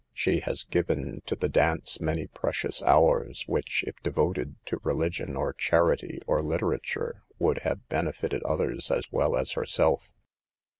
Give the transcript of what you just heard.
She has given to the dance many precious hours, which if devoted to religion, or charity, or literature, would have benefited others as well as herself.